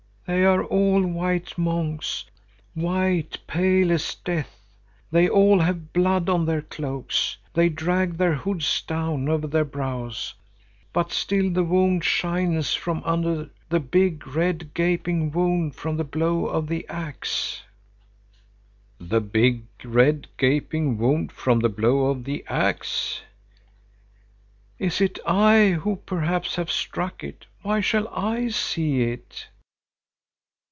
"They are all white monks, white, pale as death. They all have blood on their cloaks. They drag their hoods down over their brows, but still the wound shines from under; the big, red, gaping wound from the blow of the axe." "The big, red, gaping wound from the blow of the axe?" "Is it I who perhaps have struck it? Why shall I see it?"